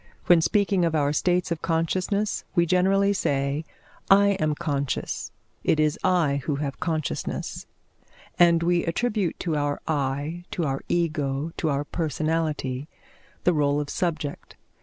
When speaking of our states of consciousness, we generally say, "I am conscious; it is I who have consciousness," and we attribute to our I, to our Ego, to our personality, the rôle of subject.